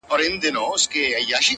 بې خبره د ښاریانو له دامونو -